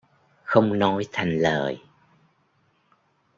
Không nói thành lời